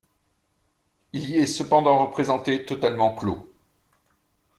Il y est cependant représenté totalement clos.